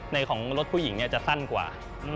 ของรถผู้หญิงจะสั้นกว่า